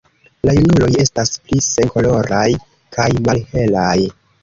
La junuloj estas pli senkoloraj kaj malhelaj.